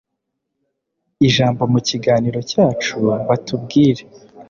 ijambo mu kiganiro cyacu batubwire.